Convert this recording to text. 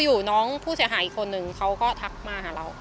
อยู่น้องผู้เสียหายอีกคนนึงเขาก็ทักมาหาเรา